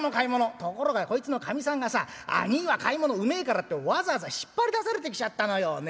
ところがこいつのかみさんがさ『兄ぃは買い物うめえから』ってわざわざ引っ張り出されてきちゃったのよね。